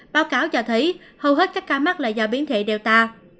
báo cáo cho thấy hầu hết các ca mắc là do biến thể delta